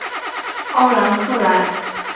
奥兰克莱。